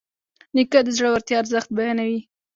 نیکه د زړورتیا ارزښت بیانوي.